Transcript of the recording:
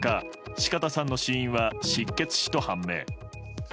四方さんの死因は失血死と判明。